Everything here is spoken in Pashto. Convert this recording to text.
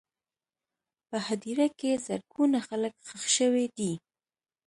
په هدیره کې زرګونه خلک ښخ شوي دي.